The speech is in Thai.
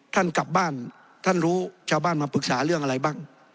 ท่านกลับบ้านท่านรู้ชาวบ้านมาปรึกษาเรื่องอะไรบ้าง